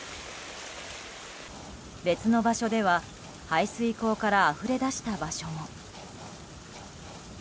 別の場所では排水溝からあふれ出した場所も。